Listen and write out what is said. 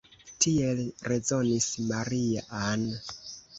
Tiel rezonis Maria-Ann.